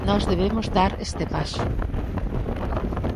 Nós debemos dar este paso.